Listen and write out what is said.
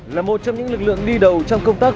là một trong những lực lượng đi đầu trong công tác